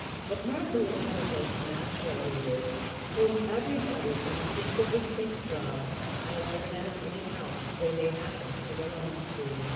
But Martha was one of those natural leaders whom everybody instinctively thinks of as the head of any house they may happen to belong to.